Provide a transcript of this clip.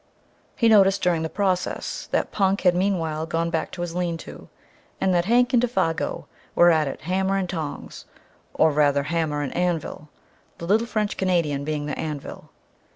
He noticed, during the process, that Punk had meanwhile gone back to his lean to, and that Hank and Défago were at it hammer and tongs, or, rather, hammer and anvil, the little French Canadian being the anvil.